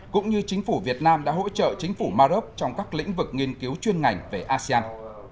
cũng như chính phủ việt nam đã hỗ trợ chính phủ maroc trong các lĩnh vực nghiên cứu chuyên ngành về asean